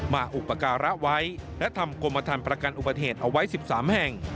อุปการะไว้และทำกรมฐานประกันอุบัติเหตุเอาไว้๑๓แห่ง